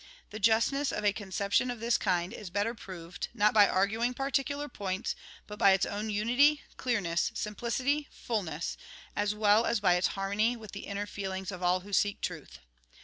The justness of a conception of this kind is better proved, not by arguing particular points, but by its own unity, clearness, simplicity, fulness, as well as by its harmony with the inner feelings of all who seek ti'uth.